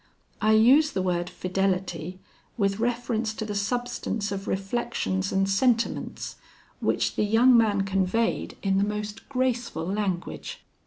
I use the word fidelity with reference to the substance of reflections and sentiments, which the young man conveyed in the most graceful language.